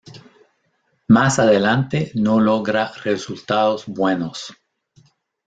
Más adelante, no logra resultados buenos.